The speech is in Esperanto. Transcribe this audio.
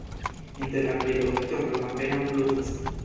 Inter aprilo-oktobro apenaŭ pluvas.